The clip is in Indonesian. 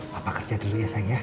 papa kerja dulu ya sayang ya